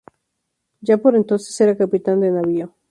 Ya por entonces era capitán de navío.